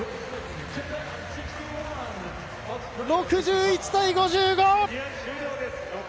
６１対５５。